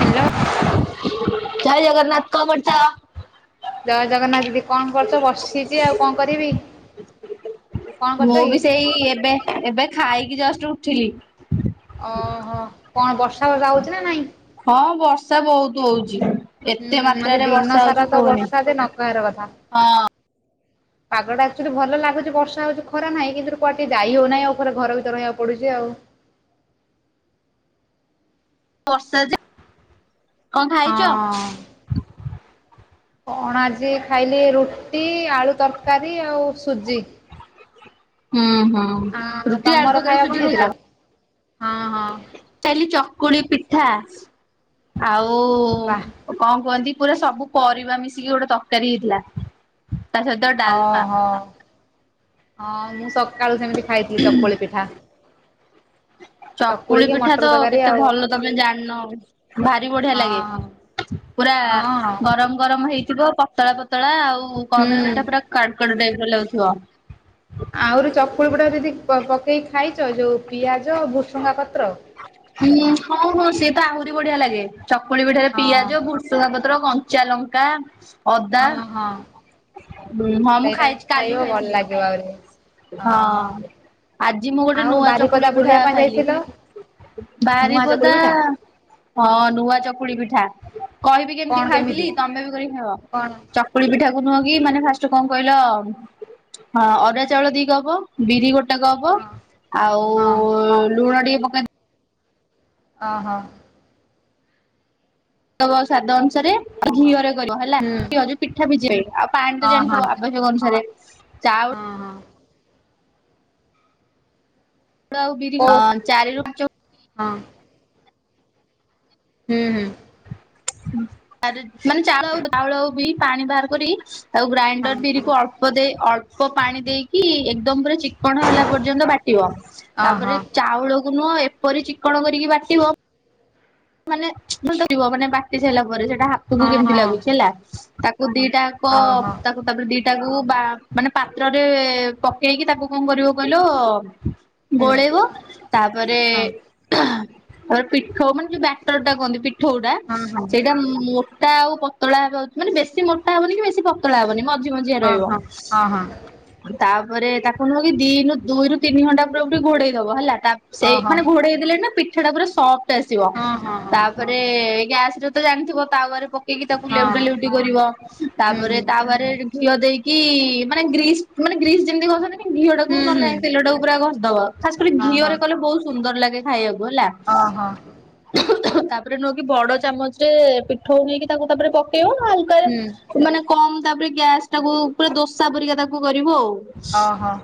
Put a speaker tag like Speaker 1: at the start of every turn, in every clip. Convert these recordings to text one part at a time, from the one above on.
Speaker 1: Hello.
Speaker 2: ଜୟ ଜଗନ୍ନାଥ କଣ କରୁଚ?
Speaker 1: ଜୟ ଜଗନ୍ନାଥ ଦିଦି କଣ କରୁଚ ବସିଛି ଆଉ କଣ କରିବି କଣ କରୁଚ କି?
Speaker 2: ଏଇ ଏବେ ଏବେ ଖାଇକି ଜଷ୍ଟ ଉଠିଲି।
Speaker 1: ଓହୋ କଣ ବର୍ଷା ଫର୍ଷା ହଉଚି ନା ନାଇଁ
Speaker 2: ହଁ ବର୍ଷା ବହୁତ ହଉଛି। ଏତେ
Speaker 1: ହୁଁ ଆଜି
Speaker 2: ମାତ୍ରାରେ
Speaker 1: ଦିନ
Speaker 2: ବର୍ଷା
Speaker 1: ସାରା
Speaker 2: ହଉଚୁ
Speaker 1: ତ
Speaker 2: କୁହନି
Speaker 1: ବର୍ଷା ଯେ ନ କହିବାର କଥା।
Speaker 2: ହଁ।
Speaker 1: ପାଗଟା ଆକ୍ଚଲି ଭଲ ଲାଗୁଛି ବର୍ଷା ହଉଛି ଖରା ନାହିଁ କିନ୍ତୁ କୁଆଡେ ଟିକେ ଯାଇ ହଉନହିଁ ଆଉ ଉପରେ ଘର ଭିତରେ ରହିଆକୁ ପଡୁଚି ଆଉ
Speaker 2: ବର୍ଷା ଯେ କଣ ଖାଇଛ?
Speaker 1: ହଁ। କଣ ଆଜି ଖାଇଲି ରୁଟି ଆଳୁ ତରକାରୀ ଆଉ ସୁଜି।
Speaker 2: ହଁ ହଁ।
Speaker 1: ଆଁ ତମର ଖାଇବା କଣ ହେଇଥିଲା ହଁ ହଁ।
Speaker 2: ଖାଇଲି ଚକୁଳି ପିଠା ଆଉ
Speaker 1: ବାଃ
Speaker 2: କଣ କୁହନ୍ତି ପୁରା ସବୁ ପରିବା ମିଶିକି ଗୋଟେ ତକାରୀ ହେଇଥିଲା। ତା ସହିତ ଡାଲମା
Speaker 1: ଓହୋ ହଁ ମୁଁ ସକାଳୁ ସେମିତି ଖାଇଥିଲି ଚକୁଳି ପିଠା।
Speaker 2: ଚକୁଳି
Speaker 1: ଚକୁଳିକି
Speaker 2: ପିଠା
Speaker 1: ମଟର
Speaker 2: ତ
Speaker 1: ତରକାରୀ
Speaker 2: କେତେ
Speaker 1: ଆଉ
Speaker 2: ଭଲ ତମେ ଜାଣିନ ଭାରି ବଢିଆ ଲାଗେ
Speaker 1: ହଁ
Speaker 2: ପୁରା
Speaker 1: ହଁ
Speaker 2: ଗରମ ଗରମ ହେଇଥିବ। ପତଳା ପତଳା ଆଉ କହନ୍ତୁ
Speaker 1: ହୁଁ।
Speaker 2: ସେଇଟା ପୁରା କଡୁକାଡୁ ଟାଇପ ର ଲାଗୁଥିବ।
Speaker 1: ଆହୁରି ଚକୁଳି ପୁଡା ଯଦି ପକେଇକି ଖାଇଛ ଯୋଉ ପିଆଜ ଭୁଷୁଙ୍ଗା ପତ୍ର
Speaker 2: ହୁଁ ହୋଉ ହୋଉ ସିଏ ତ ଆହୁରି ବଢିଆ ଲାଗେ ଚକୁଳି ପିଠରେ
Speaker 1: ହଁ
Speaker 2: ପିଆଜ ବୁ ଭେସୁଙ୍ଗା ପତ୍ର କଞ୍ଚା ଲଙ୍କା ଅଦା
Speaker 1: ହଁ ହଁ
Speaker 2: ହଁ ମୁଁ ଖାଇଛି କାଲି ଖାଇଥିଲି।
Speaker 1: ଯଏ।
Speaker 2: ହଁ ଆଜି ମୁଁ ଗୋଟେ
Speaker 1: ଆଉ
Speaker 2: ନୂଆ
Speaker 1: ବାରିପଦା
Speaker 2: ଚକୁଳି ପିଠା
Speaker 1: ବୁଲିବା ପାଇଁ
Speaker 2: ଖାଇଲି।
Speaker 1: ଯାଇଥିଲ ନୂଆ ଚକୁଳି
Speaker 2: ବାରିବଦା।
Speaker 1: ପିଠା
Speaker 2: ହଁ ନୂଆ ଚକୁଳି ପିଠା କହିବି କେମିତି ଖାଉଥିଲି ତମେ ବି କରିକି ଖାଇବ।
Speaker 1: କଣ
Speaker 2: ଚକୁଳି ପିଠା କୁ ନୁହକି ମାନେ ଫାଷ୍ଟ କଣ କହିଲ ଅରୁଆ ଚାଉଳ ଦିକପ୍ ବିରି ଗୋଟେ
Speaker 1: ହଁ
Speaker 2: ବଟାକୁହଵ
Speaker 1: ହଁ
Speaker 2: ଆଉ ଲୁଣ ଟିକେ ପକେଇଦେ
Speaker 1: ଓ ହଁ।
Speaker 2: ଦବସାଦ ଅନୁସାରେ ଘିଅରେ ହେଲା
Speaker 1: ହୁଁ
Speaker 2: କିଏ ହ ପିଠା ପିଝିବ ଆଉ ପାଣି ତ
Speaker 1: ହଁ ହଁ
Speaker 2: ଜାଣିଥିବ ଆବଶ୍ୟକ ଅନୁସାରେ ଚାଉ
Speaker 1: ହଁ ହଁ
Speaker 2: ଚାଉଳ ଆଉ ଵିରିକୁ
Speaker 1: କୋଉ
Speaker 2: ଚାରି ରୁପାଞ୍ଚ
Speaker 1: ହଁ। ହୁଁ ହୁଁ।
Speaker 2: ମାନେ ଚାଉଳ ଚାଉଳ ବି ପାଣି ବାହାର କରି ଆଉ ଗ୍ରାଇଣ୍ଡର ବିରି
Speaker 1: ହଁ
Speaker 2: କୁ ଅଳ୍ପ ଅଳ୍ପ ଦେଇ ଅଳ୍ପ ପାଣି ଦେଇକି ଏକେଦମ୍ ପୁରା ଚିକଣ ହେଲା ପର୍ଯ୍ୟନ୍ତ ବାଟିବ।
Speaker 1: ଓହୋ
Speaker 2: ତାପରେ ଚାଉଳକୁ ନୁହଁ ଏପରି ଚିକଣ କରିକି ବାଟିବ ମାନେବୁଲୁଥିବ ମାନେ ବାଟି ସାରିଲା ପରେ ସେଟା ହାତକୁ
Speaker 1: ହଁ
Speaker 2: କେମିତି
Speaker 1: ହଁ
Speaker 2: ଲାଗୁଛି ହେଲା ତାକୁ ଦିଟା କ
Speaker 1: ଓହୋ।
Speaker 2: ତା ତାକୁ ଦିଟାଆକୁ ବା ମାନେ ପାତ୍ରରେ ପକେଇକି ତାକୁ କଣ କରିବ କହିଲ
Speaker 1: ହୁଁ
Speaker 2: ଗୋଳେଇବ ତାପରେ
Speaker 1: ହଁ
Speaker 2: ତାପରେ ପିଠୋ ମାନେ ଯୋଉ ବାଟର ଟା କୁହନ୍ତି ପି ପିଠୋଉଟା
Speaker 1: ହଁ ହଁ
Speaker 2: ସେଇଟା ମୋଟା ଆଉ ପତଳା ହେବା ମାନେ ବେଶୀ ମୋଟା ହବନି କି ବେଶୀ ପ ହବନି ମଝି ମଝି ରହିବ।
Speaker 1: ହଁ ହଁ ହଁ ହଁ
Speaker 2: ତାପରେ ତାକୁ ନୁହଁ କି ଦିନି ଦୁଇରୁ ତିନି ଘଣ୍ଟା ପୂରା ପୂରି ଘୋଡେଇ ଦବ ହେଲା ତା ସେଇ
Speaker 1: ଓହୋ
Speaker 2: ମାନେ ଘୋଡେଇ ଦେଲେ ନା ପିଠା ଟା ପୁରା ସଫ୍ଟ୍ ଆସିବ
Speaker 1: ହଁ ହଁ ହଁ
Speaker 2: ତାପରେ ତେ ଗ୍ୟାସ ରେ ତ ଜାଣିଥିବ ତାୱରେପ ଏକି ତାକୁ ଲେଉଟା
Speaker 1: ହଁ
Speaker 2: ଲେଉଟି କରିବ
Speaker 1: ହୁଁ
Speaker 2: ତାପରେ
Speaker 1: ହୁଁ
Speaker 2: ତାୱରେ ଘିଅ ଦେଇକି ମାନେ ଗ୍ରୀସ୍ ମାନେ ଗ୍ରୀସ୍ ଯେମିତି ଘସନ୍ତି। ଘିଅ
Speaker 1: ହୁଁ
Speaker 2: ଟାକୁ
Speaker 1: ହୁଁ
Speaker 2: ନହଲେ ତେଲଟାକୁ ପୁରା ଘସିଦବ ଖାସ୍ କରି
Speaker 1: ହଁ
Speaker 2: ଘିଅରେ କଲେ ବହୁତ ସୁନ୍ଦର ଲାଗେ ଖାଇବାକୁ ହେଲା।
Speaker 1: ଓ ହ।
Speaker 2: ତାପରେ ନୁହେଁକି ବଡ ଚାମଚ୍ ରେ ପିଠୋଉ ନେଇକି ତାକୁ ତାପରେ ପକେଇବ ନ ହଲେ ତ
Speaker 1: ହୁଁ।
Speaker 2: ମାନେ କମ ତାପରେ ଗ୍ୟାସ ଟାକୁ ପୁରା ଦୋସା ପରିକା ତାକୁ କରିବ ଆଉ।
Speaker 1: ଅ ହ।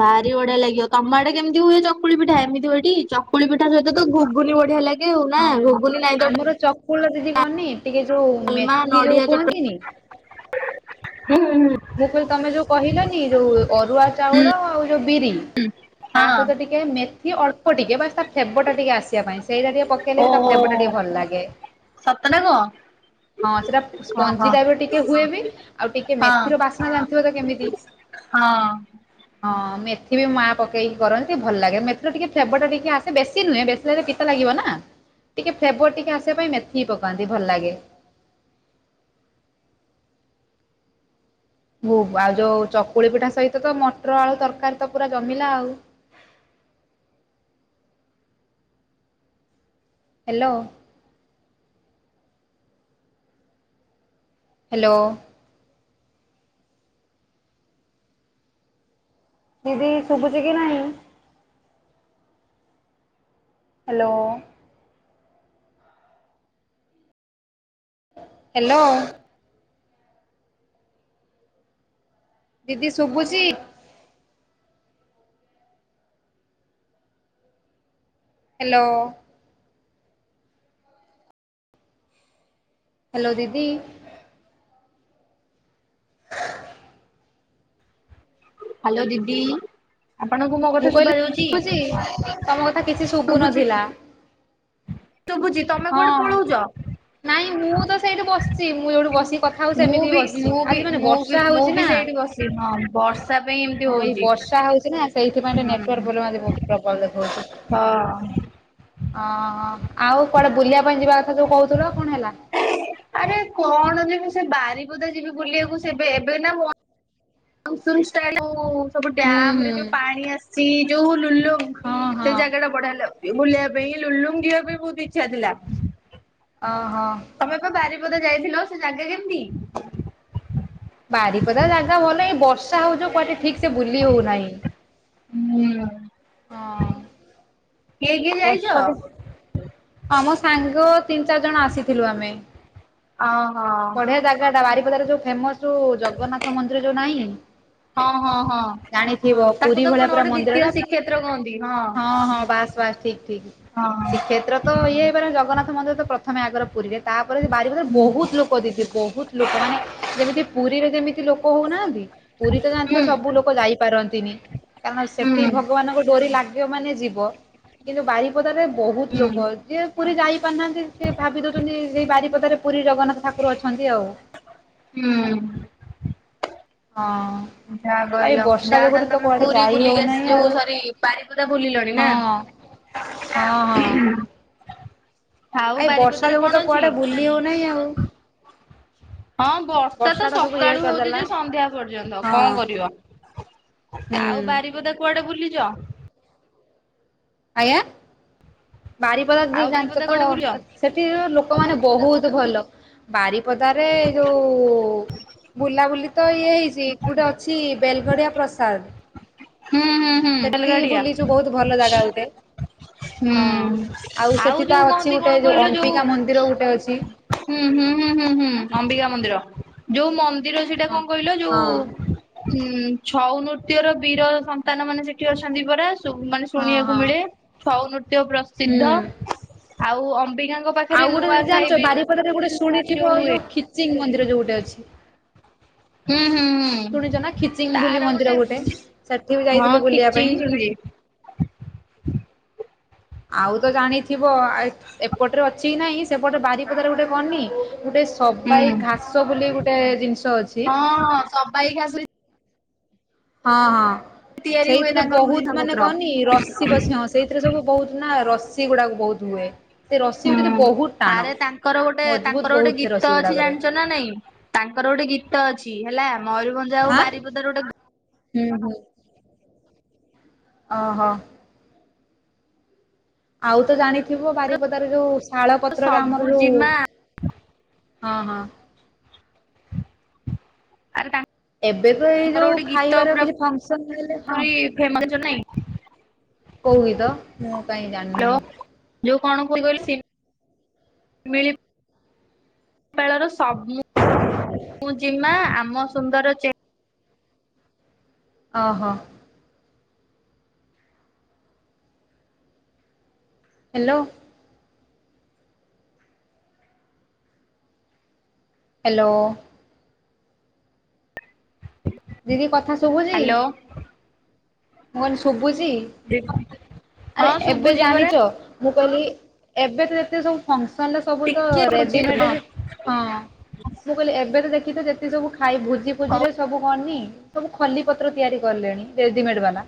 Speaker 2: ଭାରି ବଢିଆ ଲାଗିବ ତମାଆଡେ କେମିତି ହୁଏ ଚକୁଳି ପିଠା ଏମିତି ହୁ ଏଟି? ଚକୁଳିି ପିଠା ସହିତ ତ ଗୁଗୁନି ବଢିଆ ଲାଗେ। ଆଉ ନା
Speaker 1: ହଁ
Speaker 2: ଘୁଗୁନି ନାଇଁ ତ
Speaker 1: ଆମର ଚକୁଳି ଦିଦି କନେ ଟିକେ ଯୋଉ
Speaker 2: ଡାଲମା
Speaker 1: ମେଥି
Speaker 2: ନଡିଆ
Speaker 1: ଯୋଉ
Speaker 2: ଚଟଣି
Speaker 1: କୁହନ୍ତିନି।
Speaker 2: ହୁଁ ହୁଁ।
Speaker 1: ମୁଁ କହିଲି ତମେ ଯୋଉ କହିଲନି ଯୋଉ ଅରୁଆ ଚାଉଳ ଆଉ ଯୋଉ ବିରି ତା ସହିତ
Speaker 2: ହଁ
Speaker 1: ଟିକେ ଟିକେ ମେଥି ଅଳ୍ପ ଟିକେ ବା ତା ଫେବ ଟା ଟିକେ ଆସିବା ପାଇଁ ସେଇଟା ଟିକେ ପ ଦେଲେ ବି ତା
Speaker 2: ଓହୋ
Speaker 1: ଫେବଟା ଟିକେ ଭଲ ଲାଗେ।
Speaker 2: ସତ ନା କଣ
Speaker 1: ହଁ ସେଟା
Speaker 2: ହଁ
Speaker 1: ସ୍ପଞ୍ଜି
Speaker 2: ହଁ।
Speaker 1: ଟାଇପରେ ଟିକେ ହୁଏ ବି ଆଉ ଟିକେମେ
Speaker 2: ହଁ
Speaker 1: କସାଲାଗୁଥୁବ ତ କେମିତି?
Speaker 2: ହଁ
Speaker 1: ହଁ ମେଥି ବି ମା ପକେଇକି କରନ୍ତି ଟିକେ ଭଲ ଲାଗେ ମେଥିର ଟିକେ ଫେବ ଟା ଟିକିେ ଆସେ ବେଶୀ ନୁହେଁ। ବେଶୀ ପିତା ଲାଗିବ ନା ଟିକେ ଫ୍ଲେବର ଟିକେ ଆସିବା ପାଇଁ ମେଥିିଁ ପକାନ୍ତି ଭଲ ଲାଗେ ହୁ ଆଉ ଯୋଉ ଚକୁଳି ପିଠା ସହିତ ତ ମଟର ଆଳୁ ତରକାରୀ ତ ପୁରା ଜମିଲା ଆଉ। ହ୍ୟାଲୋ ହ୍ୟାଲୋ ଦିଦି ଶୁଭୁଛି କି ନାହିଁ। ହ୍ୟାଲୋ ହ୍ୟାଲୋ ଦିଦି ଶୁଭୁଛି। ହ୍ୟାଲୋ ହ୍ୟାଲୋ ଦିଦି
Speaker 2: ହ୍ୟାଲୋ ଦିଦି ଆପଣଙ୍କୁ ମୋ
Speaker 1: ମୁଁ
Speaker 2: କଥା
Speaker 1: କହିଲି
Speaker 2: ଶୁଭା ଯାଉଛି
Speaker 1: ଶୁଭୁଛି ତମ କଥା କିଛି ଶୁଭୁ
Speaker 2: ଶୁଭୁଛି
Speaker 1: ନଥିଲା।
Speaker 2: ଶୁଭୁଚି।
Speaker 1: ହଁ ନାଇଁ ମୁଁ ତ ସେଇଠୁ ବସିଛି ମୁଁ ଯୋଉଠୁ ବସିକି କଥା ହଉଛି
Speaker 2: ମୁଁ
Speaker 1: ସେମିତି ହି
Speaker 2: ବି
Speaker 1: ବସିଛି
Speaker 2: ମୁଁ ବି
Speaker 1: ଆଜି ମାନେ
Speaker 2: ମୁଁ ବି
Speaker 1: ବର୍ଷା
Speaker 2: ମୁଁ
Speaker 1: ହଉଛି
Speaker 2: ବି
Speaker 1: ନା।
Speaker 2: ସେଇଠି ବସିଛି ହଁ ବର୍ଷା ପାଇଁ ଏମିତି
Speaker 1: ହଁ ଏଇ
Speaker 2: ହଉଛି।
Speaker 1: ବର୍ଷା ହଉଛି ନା ସେଇଥିପାଇଁ ନେଟକ୍
Speaker 2: ହୁଁ।
Speaker 1: ପ୍ରୋମେମ୍ ଦେଖାଉଛି।
Speaker 2: ହଁ
Speaker 1: ଓହୋ ଆଉ କୁଆଡେ ବୁଲିବା ପାଇଁ ଯିବା କଥା ଯୋଉ କହୁଥିଲ କଣ ହେଲା।
Speaker 2: ଆରେ କଣ ଯିବି ସେ ବାରିପଦା ଯିବି ବୁଲିବାକୁ ସେବେ ଏବେ ନା ସୁ ଷ୍ଟାଇଲ ସବୁ
Speaker 1: ହୁଁ
Speaker 2: ଡ୍ୟାମ ରେ
Speaker 1: ହୁଁ
Speaker 2: ଯୋଉ ପାଣି ଆସିଛି ଯୋଉ ଲୁଲ
Speaker 1: ହଁ
Speaker 2: ସେ
Speaker 1: ହଁ
Speaker 2: ଜାଗା ଟା ବଢା ହେଲାଉ ବୁଲିବା ପାଇଁ ଲୁଲୁଙ୍ଗିଅ ବି ବହୁତ ଇଚ୍ଛା ଥିଲା।
Speaker 1: ଓହୋ
Speaker 2: ତମେ ବାରିପଦା ଯାଇଥିଲ ସେ ଜାଗା କେମତି?
Speaker 1: ବାରିପଦା ଜାଗା ଭଲ ଏଇ ବର୍ଷା ହଉଚ କୁଆଡେ ଠିକ ସେ ବୁଲି ହଉନାହିଁ।
Speaker 2: ହୁଁ
Speaker 1: ହଁ
Speaker 2: କିଏ କିଏ ଯାଇଛ
Speaker 1: ବର୍ଷକ ଆମ ସାଙ୍ଗ ତିନି ଚାରି ଜଣ ଆସିଥିଲୁ ଆମେ।
Speaker 2: ଓହୋ।
Speaker 1: ବାରିପଦାର ଯୋଉ ଫେମସ ଜଗନ୍ନାଥ ମନ୍ଦିର ଯୋଉ ନାହିଁ।
Speaker 2: ହଁ ହଁ ହଁ
Speaker 1: ଜାଣିଥିବ
Speaker 2: ତାକୁ
Speaker 1: ପୁରୀ
Speaker 2: ତ
Speaker 1: ଭଳିଆ
Speaker 2: କଣ
Speaker 1: ପୁରା
Speaker 2: ଗୋଟେ
Speaker 1: ମନ୍ଦିର
Speaker 2: ଦ୍ଵିତୀୟ
Speaker 1: ଟା
Speaker 2: ଶ୍ରୀକ୍ଷେତ୍ର କହନ୍ତି
Speaker 1: ହଁ ହଁ ବାସ୍ ବାସ୍। ଠିକ୍ ଠିକ
Speaker 2: ହଁ
Speaker 1: ଶ୍ରୀକ୍ଷେତ୍ର ତ ଇଏ ହେଇପାରେ ଜଗନ୍ନାଥ ମନ୍ଦିର ତ ପ୍ରଥମେ ଆଗରେ ପୁରୀରେ ତାପରେ ବାରିଦରେ ବହୁତ
Speaker 2: ହୁଁ
Speaker 1: ଲୋକ ବହୁତ ଲୋକମାନେ ଯେମିତି ପୁରୀରେ ଯେମିତି ଲୋକ ହଉନାହାନ୍ତି ପୁରୀ ତ ଜାଣିଥିବ ସବୁ ଲୋକ ଯାଇପାରନ୍ତିନି। କାରଣ
Speaker 2: ହୁଁ ହୁଁ
Speaker 1: ସେଠି ଭଗବାନଙ୍କ ଡୋରି ଲାଗିବ ମାନେ ଯିବ। କିନ୍ତୁ ବାରିପଦାରେ ବହୁତ ଲୋକ ଯି ପୁରୀ ଯାଇ ପାରୁନାହାନ୍ତି ସେ ଭାବି ଦଉଛନ୍ତି ସେଇ ବାରିପଦାରେ ପୁରୀ ଜଗନ୍ନାଥ ଠାର ଉପରୁ ଅଛନ୍ତି ଆଉ।
Speaker 2: ହୁଁ।
Speaker 1: ହଁ।
Speaker 2: ଯାହା
Speaker 1: ଆଉ ଏଇ
Speaker 2: କହିଲ
Speaker 1: ବର୍ଷା
Speaker 2: ଯାହା
Speaker 1: ଯୋଗୁରୁ
Speaker 2: ତାହେଲେ
Speaker 1: ତ
Speaker 2: ତମେ
Speaker 1: କୁଆଡେ
Speaker 2: ପୁରୀ
Speaker 1: ଯାାଇ
Speaker 2: ବୁଲିକି ଆସି
Speaker 1: ହଉନାହିଁ
Speaker 2: ଯୋଉ
Speaker 1: ଆଉ
Speaker 2: ସରି ବାରିପଦା ବୁଲିଲଣି ନା?
Speaker 1: ହଁ ହଁ ହଁ
Speaker 2: ଆଉ
Speaker 1: ଏଇ ବର୍ଷା
Speaker 2: ବାରିପଦାରେ
Speaker 1: ଯୋଗୁ ତ
Speaker 2: କଣ
Speaker 1: କୁଆଡେ ବୁଲି ହଉନାହିଁ ଆଉ।
Speaker 2: ଅଛି।? ହଁ ବର୍ଷା ତ
Speaker 1: ଟା ସବୁ ଇଏ
Speaker 2: ସକାଳୁ ହଉଚ
Speaker 1: କରିଦେଲା
Speaker 2: ଯେ ସନ୍ଧ୍ୟା ପର୍ଯ୍ୟନ୍ତ।
Speaker 1: ହଁ
Speaker 2: କଣ କରିବ
Speaker 1: ହୁଁ
Speaker 2: ଆଉ ବାରିପଦା କୁଆଡେ ବୁଲିଛ?
Speaker 1: ଆଜ୍ଞା ବାରିପଦ ଯ
Speaker 2: ଆଉ
Speaker 1: ଜାଣିଛ
Speaker 2: ବାରିପଦା
Speaker 1: ତ
Speaker 2: କୁଆଡେ ବୁଲିଛ
Speaker 1: ସେ ସେଥିର ଲୋକମାନୋନେ ବହୁତ ଭଲ ବାରି ପଦା ରେ ଯୋଉ ବୁଲାବୁଲି ତ ଇଏ ହେଇଛି ଗୋଟେ ଅଛି ବେଲଗଡ଼ିଆ ପ୍ରସାଦ।
Speaker 2: ହୁଁ ହୁଁ।
Speaker 1: ସେଠି
Speaker 2: ବେଲଗାଡିଆ
Speaker 1: ବୁଲିଛୁ ବହୁତ ଭଲ ଜାଗା ଗୋଟେ, ହଁ
Speaker 2: ହୁଁ
Speaker 1: ଆଉ ସେଠି ତ
Speaker 2: ଯୋଉ
Speaker 1: ଅଛି
Speaker 2: କହନ୍ତି
Speaker 1: ଗୋଟେ ଯୋଉ ଅମ୍ପିକା ମନ୍ଦିର ଗୋଟେ ଅଛି, ହଁ।
Speaker 2: ହୁଁ-ହୁଁ-ହୁଁ-ହୁଁ-ହୁଁ ଅମ୍ବିକା ମନ୍ଦିର, ଯୋଉ ମନ୍ଦିର ସେଇଟା
Speaker 1: ହଁ
Speaker 2: କଣ କହିଲ ଯୋଉ,
Speaker 1: ହଁ
Speaker 2: ହୁଁ ଛଉ ନୃତ୍ୟର ବୀର ସନ୍ତାନ ମାନେ ସେଠି ଅଛନ୍ତି ପରା ସୁବ୍ ମାନେ, ଶୁଣିବାକୁ
Speaker 1: ହଁ
Speaker 2: ମିଳେ ଛଉ ନୃତ୍ୟ ପ୍ରସିଦ୍ଧ
Speaker 1: ହୁଁ
Speaker 2: ଆଉ ଅମ୍ବିକାଙ୍କ, ପାଖରେ
Speaker 1: ଆଉ ଗୋଟେ
Speaker 2: ନୂଆ
Speaker 1: ଯଦି
Speaker 2: ଖାଇ
Speaker 1: ଜାଣିଛ
Speaker 2: ବି
Speaker 1: ବାରିପଦରେ ଗୋଟେ ଶୁଣିଥିବ ଏ ଯୋଉ ଖିଚିଙ୍ଗ ମନ୍ଦିର ଯୋଉ ଗୋଟେ ଅଛି, ଶୁଣିଛ ନା
Speaker 2: ହୁଁ-ହୁଁ-ହୁଁ
Speaker 1: ଖିଚିଂ ବୋଲି
Speaker 2: ତାର
Speaker 1: ମନ୍ଦିର
Speaker 2: ଗୋଟେ
Speaker 1: ସେଠି ବି
Speaker 2: ହଁ
Speaker 1: ଯାଇଥିଲୁ ବୁଲିବା ପାଇଁ।
Speaker 2: ଖିଚିଙ୍ଗ ଟା ହୁଏ,
Speaker 1: ଆଉ ତ ଜାଣିଥିବ ଅ ଆଏତ୍ ଏପଟରେ ଅଛି କି ନାହିଁ ସେପଟ ବାରିପଦାରେ ଗୋଟେ କନି ଗୋଟେ,
Speaker 2: ହୁଁ
Speaker 1: ସବାଇ ଘାସ ବୋଲି ଗୋଟେ ଜିନିଷ ଅଛି,
Speaker 2: ସମ୍ବାଇ ଘାସୁରି,
Speaker 1: ହଁ-ହଁ
Speaker 2: ତିଆରି ହୁଏ
Speaker 1: ସେଇଥିରେ
Speaker 2: ତାଙ୍କର ଜିନିଷ
Speaker 1: ବହୁତ ମାନେ
Speaker 2: ପତ୍ର
Speaker 1: କହନି ର ବସି-ବସି ହଁ ସେଇଥିରେ ସବୁ ବହୁତ ନା ରସିି ଗୁଡ଼ାକ ବହୁତ ହୁଏ, ସେ ରସି
Speaker 2: ହୁଁ
Speaker 1: ଭିତରେ ବହୁତ ଟାଣ
Speaker 2: ଆରେ ତାଙ୍କର ଗୋଟେ
Speaker 1: ମଜବୁତ
Speaker 2: ତାଙ୍କର ଗୋଟେ
Speaker 1: ବହୁତ ସେ
Speaker 2: ଗୀତ
Speaker 1: ରସି
Speaker 2: ଅଛି
Speaker 1: ଗୁଡାକରେ।
Speaker 2: ଜାଣିଛ ନା ନାଇଁ, ତାଙ୍କର ଗୋଟେ ଗୀତ ଅଛି ହେଲା ମୟୂରଭଞ୍ଜ ଆଉ ବାରିପଦାର ଗୋଟେ,
Speaker 1: ହୁଁ-ହୁଁ, ଓ ହ ଆଉ ତ ଜାଣିଥିବ ବାରିପଦାର ଯୋଉ ଶାଳ ପତ୍ରରେ
Speaker 2: ସବୁ
Speaker 1: ଆମର ଯୋଉ,
Speaker 2: ଜିମା
Speaker 1: ହଁ-ହଁ,
Speaker 2: ଆରେ ତା
Speaker 1: ଏବେ ତ ଏଇ ଯୋଉ ଖାଇବାର କିଛି ଫଙ୍କସନ ହେଲେ
Speaker 2: ପୁରି
Speaker 1: ଥାଙ୍କ୍
Speaker 2: ଫେମସ ନାଇଁ
Speaker 1: କୋଉ ଗିତ ମୁଁ କାଇଁ ଜାଣ
Speaker 2: ହେଲୋ ଯୋଉ କଣ ଫୁଲ୍ କହିଲେ ସିଲ୍ ମିଳି ପାଳର ସ ମୁ ଜିମା ଆମ ସୁନ୍ଦର ଚେ
Speaker 1: ଅ ହ ହେଲୋ, ହେଲୋ, ଦିଦି କଥା ଶୁଭୁଜି,
Speaker 2: ହ୍ୟାଲୋ
Speaker 1: ମୁଁ କଇନି ଶୁଭୁଛି ଆରେ
Speaker 2: ହଁ
Speaker 1: ଏବେ
Speaker 2: ଶୁଭୁଛି ପରା
Speaker 1: ଜାଣିଛ, ମୁଁ କହିଲି ଏବେ ତ ଯେତେ ସବୁ ଫଙ୍କସନ୍ ରେ ସବୁ ତ
Speaker 2: ଟିକେ ରହୁଛି ହଁ
Speaker 1: ରେଡିମେଡ, ହଁ ମୁଁ କହିଲି ଏବେ ତ ଦେଖି ତ ଯେତେ ସବୁ ଖାଇ ଭୋଜି
Speaker 2: ହଉ
Speaker 1: ଫୋଜି ରେ ସବୁ କଣନି, ସବୁ ଖଲି ପତ୍ର ତିଆରି କଲେଣି ରେଡିମେଡ୍ ବାଲା,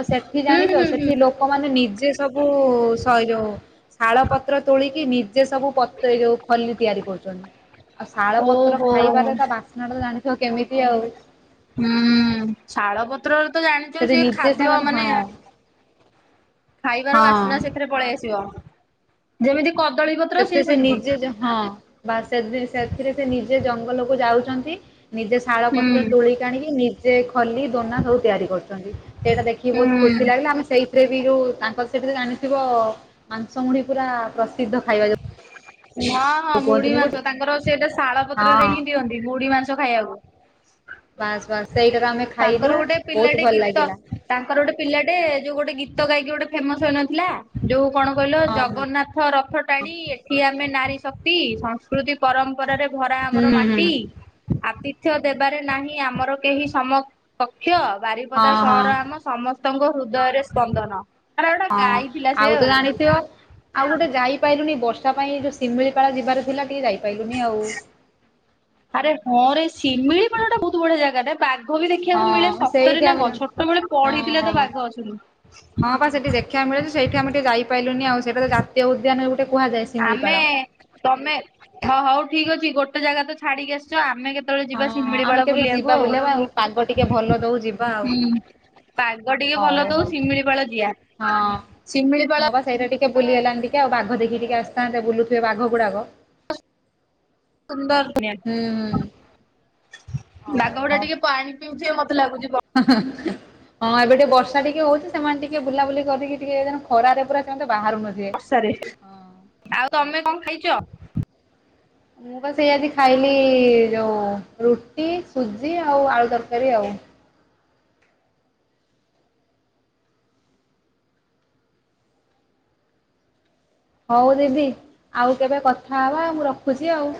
Speaker 1: ଆଉ ସେଠି
Speaker 2: ହୁଁ
Speaker 1: ଜାଣିଛ
Speaker 2: ହୁଁ ହୁଁ
Speaker 1: ସେଠି ଲୋକମାନେ ନିଜେ ସବୁ ସଏ ଯୋଉ ଶାଳ ପତ୍ର ତୋଳିକି ନିଜେ ସବୁ ପତେ ଯୋଉ ଖଲି ତିଆରି କରୁଛନ୍ତି, ଆଉ ଶାଳ ପତ୍ର
Speaker 2: ଓହୋ
Speaker 1: ଖାଇବାରେ ତା ବାସ୍ନାଟା ଜାଣିଛ କେମିତି ଆଉ,
Speaker 2: ହୁଁ ଶାଳ ପତ୍ରରେ ତ
Speaker 1: ସେଠି
Speaker 2: ଜାଣିଛ
Speaker 1: ନିଜେ
Speaker 2: ଖାଦ୍ୟ
Speaker 1: ସେମାନେ ହଁ
Speaker 2: ମାନେ, ଖାଇବାର
Speaker 1: ହଁ।
Speaker 2: ବାସ୍ନା ସେଥିରେ ପଳେଇ ଆସିବ ଯେମିତି କଦଳୀ ପତ୍ର
Speaker 1: ସେଥିରେ
Speaker 2: ସିଏ
Speaker 1: ସେ
Speaker 2: ସେମିତି
Speaker 1: ନିଜେ ଯ ହଁ, ବା ସେଦି ସେଥିରେ ସେ ନିଜେ ଜଙ୍ଗଲକୁ ଯାଉଛନ୍ତି ନିଜେ ଶାଳ
Speaker 2: ହୁଁ
Speaker 1: ପତ୍ର ତୋଳିିକିଆଣିକି ନିଜ୍ ସେ ଖଲି ଦୋନା ସବୁ ତିଆରି କରୁଛନ୍ତି ସେଇଟା ଦେଖିକି
Speaker 2: ହୁଁ
Speaker 1: ବହୁତ ଖୁସି ଲାଗିଲା ଆମେ ସେଇ ଥିରେ ବି ଯୋଉ ତାଙ୍କର ସେଠିରେ ଜାଣିଥିବ ମାଂସ ମୁଢି଼ ପୁରା ପ୍ରସିଦ୍ଧ ଖାଇବା ଯଉ
Speaker 2: ନାଁ। ହଁ ମୁଢି଼ ମାଂସ ତାଙ୍କର ସେଟା ଶାଳ ପତ୍ରରେ
Speaker 1: ହଁ।
Speaker 2: ହିଁ ଦିଅନ୍ତି ମୁଢି଼ ମାଂସ ଖାଇବାକୁ,।
Speaker 1: ବାସ୍ ବାସ୍ ସେଇଟା ତ ଆମେ ଖାଇଲୁ
Speaker 2: ତାଙ୍କର ଗୋଟେ
Speaker 1: ବହୁତ
Speaker 2: ପିଲାଟେ
Speaker 1: ଭଲ
Speaker 2: ଗୀତ
Speaker 1: ଲାଗିଲା
Speaker 2: ତାଙ୍କର ଗୋଟେ ପିଲାଟେ ଯୋଉ ଗୋଟେ ଗୀତ ଗାଇକି ଗୋଟେ ଫେମସ୍ ହୋଇନଥିଲା? ଯୋଉ କଣ କହିଲ
Speaker 1: ହଁ ହଁ।
Speaker 2: ଜଗନ୍ନାଥ ରଥ ଟାଣି ଏଠି ଆମେ ନାରୀ ଶକ୍ତି ସଂସ୍କୃତି ପରମ୍ପରାରେ ଧରା
Speaker 1: ହୁଁ
Speaker 2: ଆମର
Speaker 1: ହୁଁ
Speaker 2: ମାଟି ଆତିଥ୍ୟ ଦେବାରେ ନାହିଁ ଆମର କେହି ସମ ପକ୍ଷ ବାରିପଦା
Speaker 1: ହଁ ହଁ
Speaker 2: ସହର ଆମ ସମସ୍ତଙ୍କ ହୃଦୟରେ ସ୍ପନ୍ଦନ। ଆରେ ଗୋଟା
Speaker 1: ଅଁ
Speaker 2: ଗାଇଥିଲା ସେ
Speaker 1: ଆଉ ତ ଜାଣିଥିବ। ଆଉ ଗୋଟେ ଯାଇପାଇଲୁନି ବର୍ଷା ପାଇଁ ଯୋଉ ସିମିଳିପାଳ ଯିବାର ଥିଲା ଟିକେ ଯାଇ ପାଇଲୁନି ଆଉ।
Speaker 2: ଆରେ ହଁ ରେ ଶିମିଳିପାଳ ଟା ବହୁତ ବଢିଆ ଜାଗାଟା। ବାଘ ବି ଦେଖିଆକୁ ମିଳେ
Speaker 1: ହଁ ସେଇଠି
Speaker 2: ସତରେ ନା
Speaker 1: ଆମେ
Speaker 2: କଁ
Speaker 1: ଯାଉ
Speaker 2: ଛୋଟବେେଳେ
Speaker 1: ହଁ
Speaker 2: ପଢିଥିଲେ ତ
Speaker 1: ହଁ।
Speaker 2: ବାଘ ଅଛନ୍ତି ବୋଲି।
Speaker 1: ହଁ ପା ସେଠି ଦେ ଖିଆକୁ ମିଳେ ଯେ ସେଇଠୁ ଆମେ ଟିକେ ଯାଇପାଇଲୁନି ଆଉ ସେଟା ତ ଜାତୀୟ ଉଦ୍ୟାନ କୁହାଯାଏ
Speaker 2: ଆମେ
Speaker 1: ଶିମିଳିପାଳ।
Speaker 2: ତମେ ହଁ ହଉ ଠିକ ଅଛି ଗୋଟେ ଜାଗା ତ ଛାଡିକି ଆସିଚ ଆମେ କେତେ କେତେବେଳେ
Speaker 1: ହଁ
Speaker 2: ଯିବା
Speaker 1: ହଁ
Speaker 2: ଶିମିଳି
Speaker 1: ଆମେ
Speaker 2: ପାଳ
Speaker 1: କେବେ ଯିବା
Speaker 2: ବୁଲିଆକୁ ଆଉ।
Speaker 1: ବୁଲିବା ପାଗ ଟିକେ ଭଲ ଦଉ ଯିବା ଆଉ।
Speaker 2: ହୁଁ। ପାଗ ଟିକେ
Speaker 1: ହଉ
Speaker 2: ଭଲ ଦଉ
Speaker 1: ହଉ
Speaker 2: ଶିମିଳିପାଳ ଜିଆ
Speaker 1: ହଁ ହଁ
Speaker 2: ଶିମିଳିପାଳ
Speaker 1: ବା ସେଇଟା ଟିକେ ବୁଲିହେଲାନି ଟିକେ ଆଉ ବାଘ ଦେଖି ଟିକେ ଆସିଥାନ୍ତେ ବୁଲୁଥିବେ ବାଘ ଗୁଡାକ।
Speaker 2: ସୁନ୍ଦର ଦୁନିଆ।
Speaker 1: ହୁଁ ହୁଁ ହଉ
Speaker 2: ବାଘ ଗୁଡା ଟିକେ ପାଣି ପିଉଥିବେ ମତେ ଲାଗୁଚି ବ
Speaker 1: ହଁ ହଁ ଇଁଗ ହଁ ଏବେ ଟିକେ ବର୍ଷା ଟିକେ ହଉଚି ସେମାନେ ଟିକେ ବୁଲାବୁଲି କରିକି ଟିକେ ଏଇଦିନା ଖରାରେ ପୁରା ସେମାନେ ବାହାରୁ ନଥିବେ।
Speaker 2: ସରି
Speaker 1: ହଁ।
Speaker 2: ସ୍ ଆଉ ତମେ କଁ ଖାଇଚ?
Speaker 1: ମୁଁ ପା ସେଇଆଜି ଖାଇଲି ଯୋଉ ରୁଟି ସୁଜି ଆଉ ଆଳୁ ତରକାରୀ ଆଉ। ହଉ ଦିଦି ଆଉ କେବେ କଥା ହବା ମୁଁ ରଖୁଚି ଆଉ।